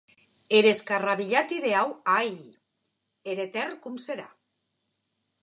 Er escarrabilhat ideau, ai!, er etèrn com serà?